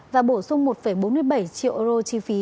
và bổ sung một bốn mươi bảy triệu euro chi phí